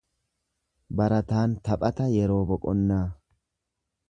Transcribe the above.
Barataan taphata yeroo boqonnaa.